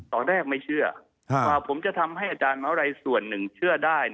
ตอนแรกไม่เชื่อว่าผมจะทำให้อาจารย์มหาวิทยาลัยส่วนหนึ่งเชื่อได้